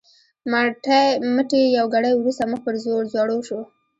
مټې یوه ګړۍ وروسته مخ پر ځوړو شو.